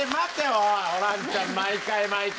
おいホランちゃん毎回毎回。